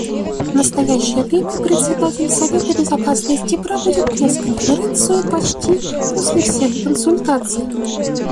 В настоящее время Председатель Совета Безопасности проводит пресс-конференции почти после всех консультаций.